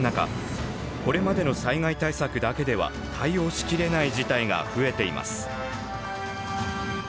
これまでの災害対策だけでは対応し切れない事態が増えています。